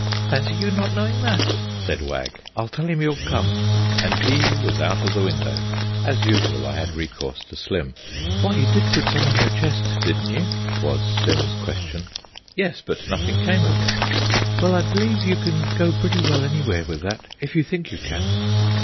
"Fancy you not knowing that!" said Wag. "I'll tell him you'll come." And he was out of the window. As usual, I had recourse to Slim. "Why, you did put some on your chest, didn't you?" was Slim's question. "Yes, but nothing came of it." "Well, I believe you can go pretty well anywhere with that, if you think you can."